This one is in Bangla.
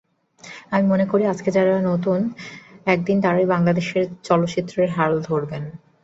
আমি মনে করি, আজকে যাঁরা নতুন, একদিন তাঁরাই বাংলাদেশের চলচ্চিত্রের হাল ধরবেন।